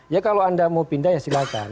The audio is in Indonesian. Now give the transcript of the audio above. ya kalau anda mau pindah ya silahkan